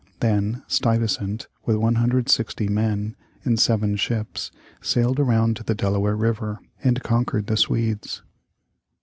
Then Stuyvesant, with 160 men, in seven ships, sailed around to the Delaware River, and conquered the Swedes.